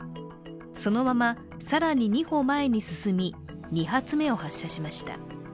そのまま更に２歩前に進み２発目を発射しました。